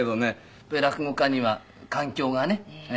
落語家には環境がね。